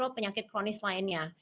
penyakit kronis lainnya